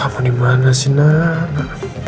hah kamu dimana sih nana